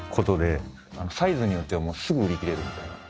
サイズによってはもうすぐ売り切れるみたいな。